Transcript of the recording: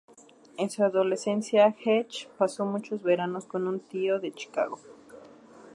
En su adolescencia, Hecht pasó muchos veranos con un tío en Chicago.